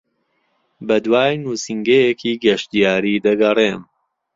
بەدوای نووسینگەیەکی گەشتیاری دەگەڕێم.